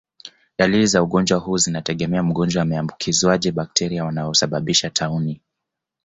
Dalili za ugonjwa huu zinategemea mgonjwa ameambukizwaje bakteria wanaosababisha tauni